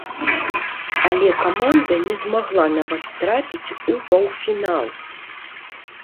Але каманда не змагла нават трапіць у паўфінал!